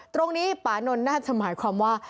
ตรงนี้ปานนท์น่าจะหมายความว่า